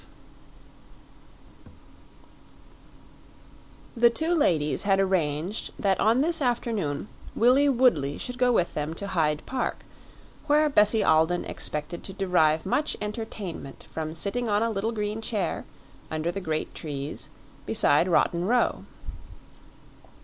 The two ladies had arranged that on this afternoon Willie Woodley should go with them to Hyde Park, where Bessie Alden expected to derive much entertainment from sitting on a little green chair, under the great trees, beside Rotten Row.